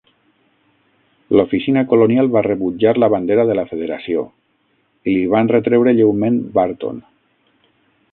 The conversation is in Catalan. L'oficina colonial va rebutjar la bandera de la federació, i l'hi van retreure lleument Barton.